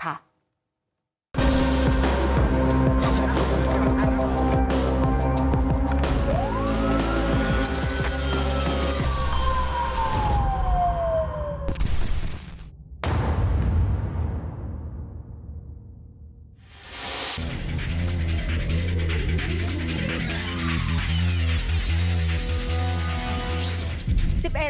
๑๑ธันวาคมสองพันห้าร้อยห้าสิบเจศ